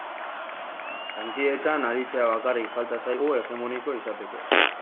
Lankidetzan aritzea bakarrik falta zaigu hegemoniko izateko.